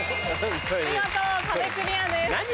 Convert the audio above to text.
見事壁クリアです。